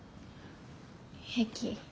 平気。